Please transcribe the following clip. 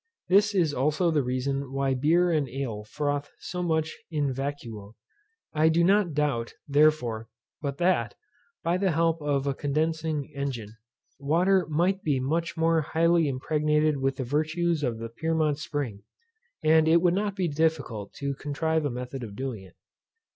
This is also the reason why beer and ale froth so much in vacuo. I do not doubt, therefore, but that, by the help of a condensing engine, water might be much more highly impregnated with the virtues of the Pyrmont spring; and it would not be difficult to contrive a method of doing it.